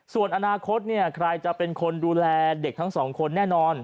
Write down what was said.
ส่วนอนาคตใครจะเป็นคนดูแลเด็กทั้งสองคนแน่นอน